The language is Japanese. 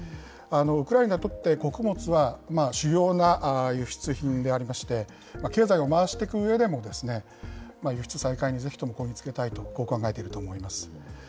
ウクライナにとって穀物は主要な輸出品でありまして、経済を回していくうえでも、輸出再開にぜひともこぎ着けたいと、こう考えていると思います。